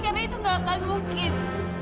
karena itu gak akan mungkin